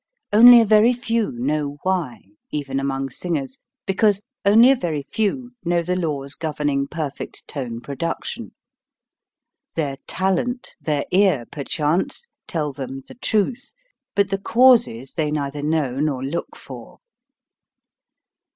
Only a very few know why, even among singers, because only a very few know the laws governing perfect tone pro duction. Their talent, their ear perchance, tell them the truth ; but the causes they neither know nor look for.